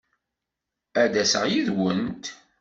Ad d-aseɣ yid-went.